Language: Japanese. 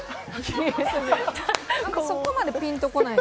そこまでピンとこない。